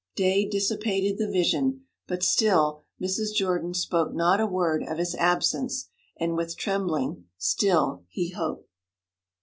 Day dissipated the vision, but still Mrs. Jordan spoke not a word of his absence, and with trembling still he hoped.